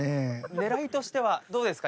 狙いとしてはどうですか？